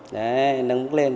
nên nâng mức lên